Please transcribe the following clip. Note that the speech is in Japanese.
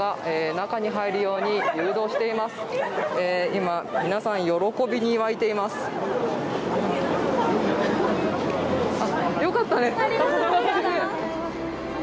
今皆さん、喜びに沸いています。